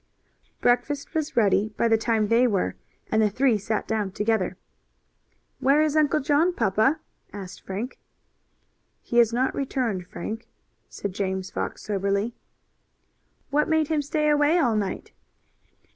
Breakfast was ready by the time they were, and the three sat down together. "Where is Uncle John, papa?" asked Frank. "He has not returned, Frank," said James Fox, soberly. "What made him stay away all night?"